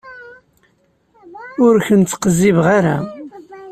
Ur ken-ttqezzibeɣ ara.